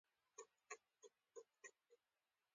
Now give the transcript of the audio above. د شوروي پراخېدونکی اقتصاد به ډېر ژر نړۍ ونیسي.